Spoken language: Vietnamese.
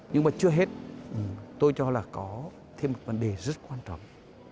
nhưng mà chưa hết tôi cho là có thêm một vấn đề rất quan trọng